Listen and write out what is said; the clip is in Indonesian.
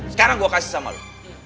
sekarang gue kasih sama lo